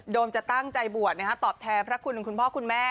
โดมจะตั้งใจบวชนะฮะตอบแทนพระคุณของคุณพ่อคุณแม่